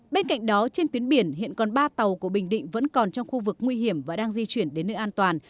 bên cạnh đó trên tuyến biển hiện còn ba tàu của bình định vẫn còn trong khu vực nguy hiểm và đang di chuyển đến nơi an toàn